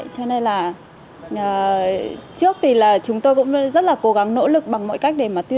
cho nên là trước thì chúng tôi cũng rất là cố gắng nỗ lực bằng mọi cách